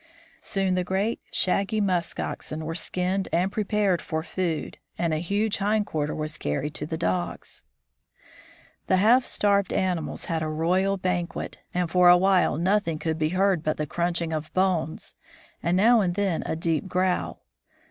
Soon the great, shaggy musk oxen were skinned and prepared for food, and a huge hind quarter was carried to the dogs. 142 THE FROZEN NORTH The half starved animals had a royal banquet, and for a while nothing could be heard but the crunching of bones, and now and then a deep growl.